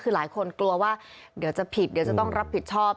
คือหลายคนกลัวว่าเดี๋ยวจะผิดเดี๋ยวจะต้องรับผิดชอบ